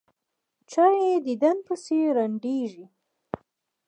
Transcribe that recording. چا یې دیدن پسې ړندېږي.